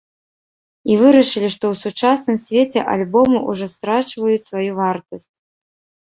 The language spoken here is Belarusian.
І вырашылі, што ў сучасным свеце альбомы ўжо страчваюць сваю вартасць.